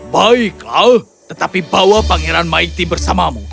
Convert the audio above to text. baiklah tetapi bawa pangeran maikti bersamamu